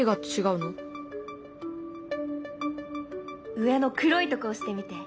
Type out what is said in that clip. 上の黒いとこ押してみて。